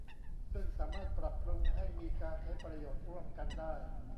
ซึ่งสามารถปรับปรุงให้มีการใช้ประโยชน์ร่วมกันได้